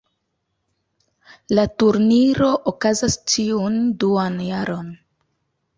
La turniro okazas ĉiun duan jarojn.